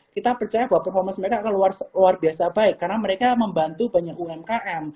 kita percaya bahwa performance mereka akan luar biasa baik karena mereka membantu banyak umkm